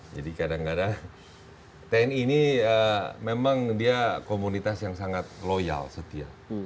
jadi kadang kadang tni ini memang dia komunitas yang sangat loyal setia